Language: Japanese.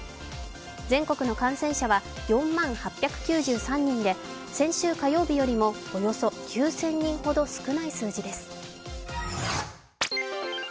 全国の感染者は４万８９３人で先週火曜日よりもおよそ９０００人ほど少ない数字です。